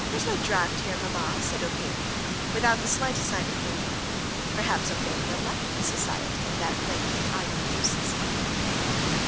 "There's no draught here, mamma," said Ophelia, without the slightest sign of moving. Perhaps Ophelia liked the society of that lanky, idle, useless young man.